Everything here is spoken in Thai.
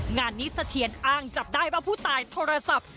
งานนี้สะเทียนอ้างจับได้ว่าผู้ตายโทรศัพท์